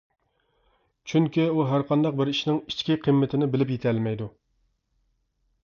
چۈنكى ئۇ ھەرقانداق بىر ئىشنىڭ ئىچكى قىممىتىنى بىلىپ يېتەلمەيدۇ.